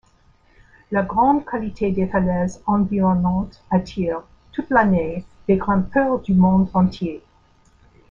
La grande qualité des falaises environnantes attire, toute l'année, des grimpeurs du monde entier.